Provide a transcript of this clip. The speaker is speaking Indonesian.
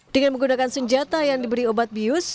dengan menggunakan senjata yang diberi obat bius